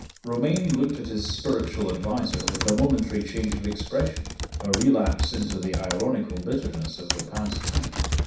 Romayne looked at his spiritual adviser with a momentary change of expression a relapse into the ironical bitterness of the past time.